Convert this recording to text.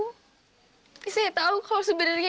tapi saya tahu kalau sebenarnya